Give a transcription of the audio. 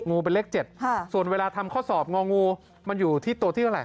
งูเป็นเลข๗ส่วนเวลาทำข้อสอบงองูมันอยู่ที่ตัวที่เท่าไห